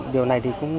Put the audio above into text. điều này thì cũng